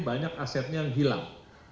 banyak asetnya yang hilang